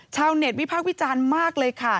ชาวเน็ตวิพากษ์วิจารณ์มากเลยค่ะ